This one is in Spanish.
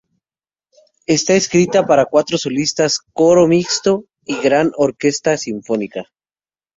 Está escrita para cuatro solistas, coro mixto y gran orquesta sinfónica.